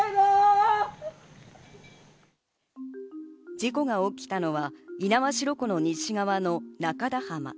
事故が起きたのは猪苗代湖の西側の中田浜。